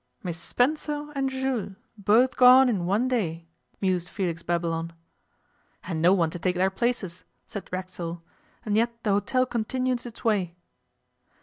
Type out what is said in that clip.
'Miss Spencer and Jules both gone in one day!' mused Felix Babylon. 'And no one to take their places,' said Racksole. 'And yet the hotel continues its way!